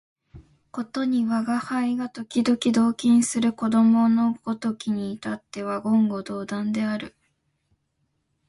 ことに吾輩が時々同衾する子供のごときに至っては言語道断である